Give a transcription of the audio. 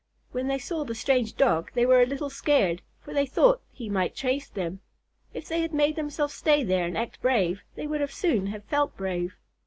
When they saw the strange Dog they were a little scared, for they thought he might chase them. If they had made themselves stay there and act brave they would soon have felt brave.